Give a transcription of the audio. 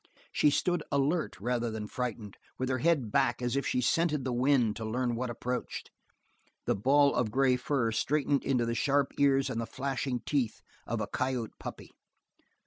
She stood alert, rather than frightened, with her head back as if she scented the wind to learn what approached. The ball of gray fur straightened into the sharp ears and the flashing teeth of a coyote puppy.